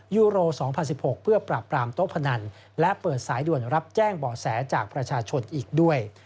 ยูโร๒๐๑๖เพื่อปราบปรามโต๊ะพนันและเปิดสายด่วนรับแจ้งบ่อแสจากประชาชนอีกด้วย